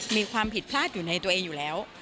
มีความผิดพลาดอยู่ในตัวเองอยู่แล้ว